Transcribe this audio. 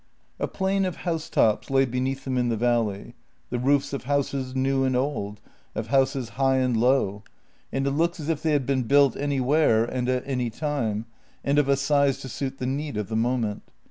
A plain of housetops lay beneath him in the valley, the roofs of houses new and old, of houses high and low — it looked as if they had been built anywhere and at any time, and of a size to suit the need of the moment.